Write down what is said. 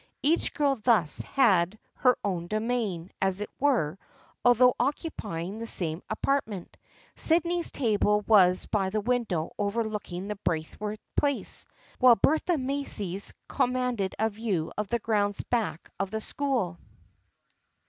Each girl thus had her own domain, as it were, although occupying the same apartment. Syd ney's table was by the window overlooking the Braithwaite place, while Bertha Macy's com manded a view of the grounds back of the school.